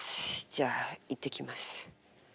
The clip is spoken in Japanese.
じゃあ行ってきます。